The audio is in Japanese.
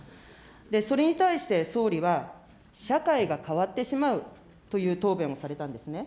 それに対して総理は、社会が変わってしまうという答弁をされたんですね。